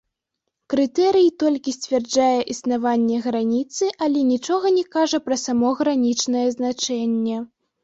Крытэрый толькі сцвярджае існаванне граніцы, але нічога не кажа пра само гранічнае значэнне.